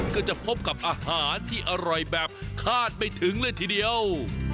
ก็จะพบกับอาหารที่อร่อยแบบคาดไม่ถึงเลยทีเดียว